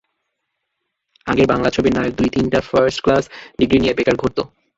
আগের বাংলা ছবির নায়ক দু-তিনটা ফার্স্ট ক্লাস ডিগ্রি নিয়ে বেকার ঘুরত।